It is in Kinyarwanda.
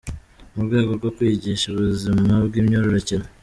Mu rwego rwo kwigisha ubuzima bw’imyororokere.